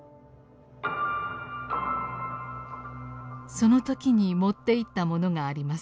その時に持って行ったものがあります。